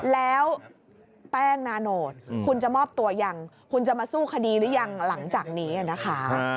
แล้วแป้งนาโนตคุณจะมอบตัวยังคุณจะมาสู้คดีหรือยังหลังจากนี้นะคะ